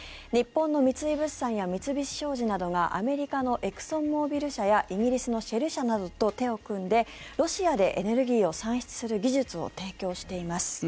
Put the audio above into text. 日本の三井物産や三菱商事などがアメリカのエクソンモービル社やイギリスのシェル社などと手を組んでロシアでエネルギーを産出する技術を提供しています。